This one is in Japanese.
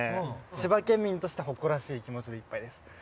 千葉県民として誇らしい気持ちでいっぱいです。